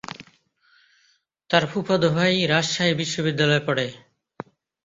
তার ফুফাতো ভাই রাজশাহী বিশ্বনিদ্যালয়ে পড়ে।